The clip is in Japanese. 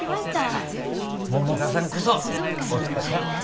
百花さんこそお疲れさん！